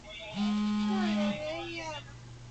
shirika la msalaba mwekundu lishatoa tahadhari